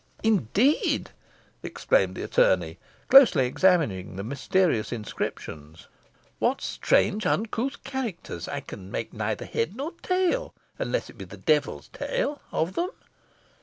"Indeed!" exclaimed the attorney, closely examining the mysterious inscriptions. "What strange, uncouth characters! I can make neither head nor tail, unless it be the devil's tail, of them."